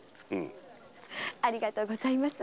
ありがとうございます。